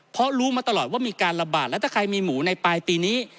เพราะรู้มาตลอดว่ามีการระบาดแล้วถ้าใครมีหมูในปลายปีนี้